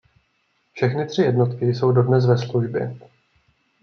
Všechny tři jednotky jsou dodnes ve službě.